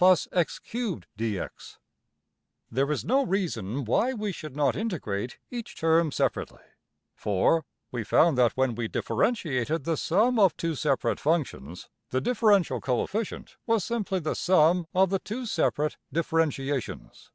\end{DPalign*} There is no reason why we should not integrate each term separately: for, as may be seen on \Pageref{sumdiffer}, we found that when we differentiated the sum of two separate functions, the differential coefficient was simply the sum of the two separate differentiations.